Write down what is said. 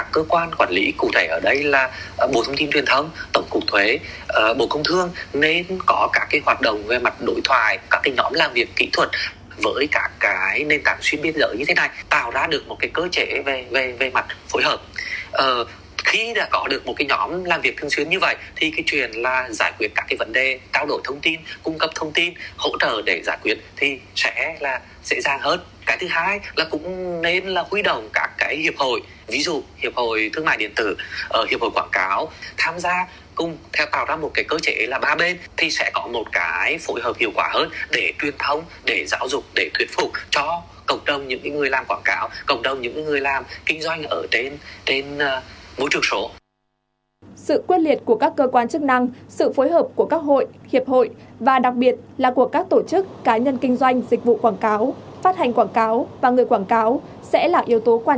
sự quyết liệt của các cơ quan chức năng sự phối hợp của các hội hiệp hội và đặc biệt là của các tổ chức cá nhân kinh doanh dịch vụ quảng cáo phát hành quảng cáo và người quảng cáo sẽ là yếu tố quan trọng để sớm lạnh mạnh hóa quảng cáo trực tuyến thúc đẩy sự phát triển của hoạt động này trong thời gian tới